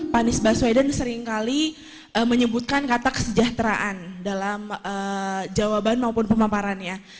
pak anies baswedan seringkali menyebutkan kata kesejahteraan dalam jawaban maupun pemaparannya